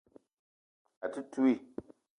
A te touii.